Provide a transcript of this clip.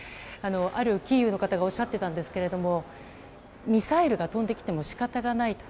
あるキーウの方がおっしゃっていたんですがミサイルが飛んできても仕方がないと。